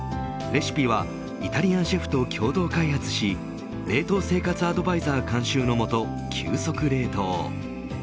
レシピはイタリアンシェフと共同開発し冷凍生活アドバイザー監修のもと急速冷凍。